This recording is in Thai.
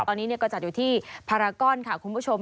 ตอนนี้ก็จัดอยู่ที่พารากอนค่ะคุณผู้ชม